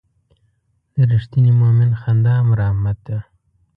د رښتیني مؤمن خندا هم رحمت ده.